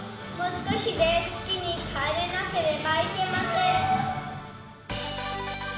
「もう少しで月に帰らなければいけません」。